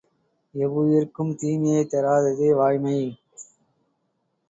எவ்வுயிர்க்கும் தீமையைத் தராததே வாய்மை.